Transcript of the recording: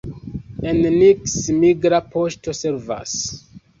En Nick migra poŝto servas.